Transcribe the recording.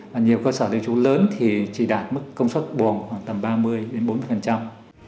và nhiều cơ sở lưu trú lớn thì chỉ đạt mức công suất buồng khoảng tầm ba mươi đến bốn mươi